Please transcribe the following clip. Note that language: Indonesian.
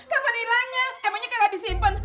kapan hilangnya emangnya kagak disimpen